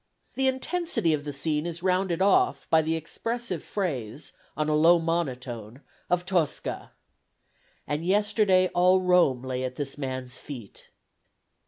The intensity of the scene is rounded off by the expressive phrase on a low monotone of Tosca, "And yesterday all Rome lay at this man's feet."